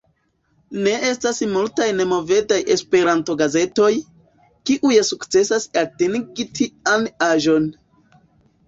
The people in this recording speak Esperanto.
Ne estas multaj nemovadaj Esperanto-gazetoj, kiuj sukcesas atingi tian aĝon.